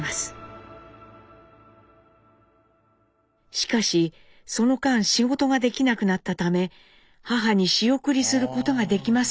しかしその間仕事ができなくなったため母に仕送りすることができませんでした。